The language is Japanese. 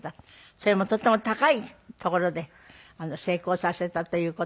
それもとても高い所で成功させたという事で。